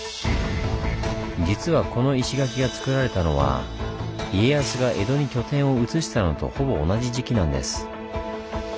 実はこの石垣がつくられたのは家康が江戸に拠点を移したのとほぼ同じ時期なんです。